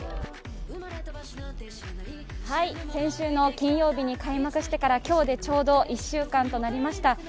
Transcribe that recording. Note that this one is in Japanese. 先週の金曜日に開幕してから今日でちょうど１週間となりました。